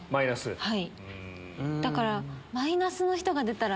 はい！